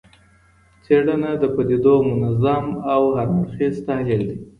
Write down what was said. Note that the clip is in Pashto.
څېړنه د پدیدو منظم او هر اړخیز تحلیل دی.